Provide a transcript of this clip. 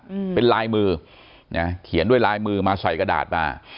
อืมเป็นลายมือนะเขียนด้วยลายมือมาใส่กระดาษมา